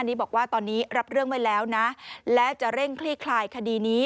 นี้บอกว่าตอนนี้รับเรื่องไว้แล้วนะและจะเร่งคลี่คลายคดีนี้